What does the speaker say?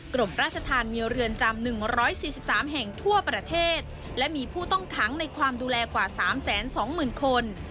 กรมราชธรรมเมียเรือนจำหนึ่งร้อยสี่สิบสามแห่งทั่วประเทศและมีผู้ต้องค้างในความดูแลกว่าสามแสนสองหมื่นคน